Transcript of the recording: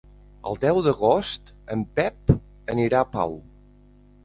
El deu d'agost en Pep anirà a Pau.